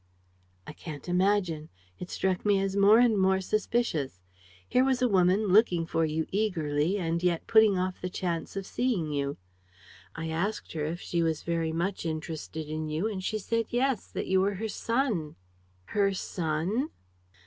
"I can't imagine. It struck me as more and more suspicious. Here was a woman looking for you eagerly and yet putting off the chance of seeing you. I asked her if she was very much interested in you and she said yes, that you were her son." "Her son!"